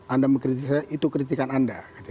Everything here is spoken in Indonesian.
anda mengkritik saya itu kritikan anda